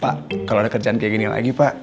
pak kalau ada kerjaan kayak gini lagi pak